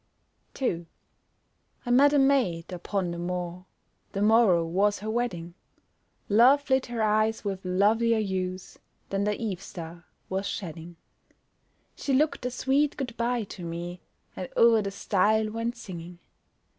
2 I met a maid upon the moor, The morrow was her wedding. Love lit her eyes with lovelier hues Than the eve star was shedding. She looked a sweet good bye to me, And o'er the stile went singing.